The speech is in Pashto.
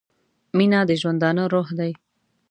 • مینه د ژوندانه روح دی.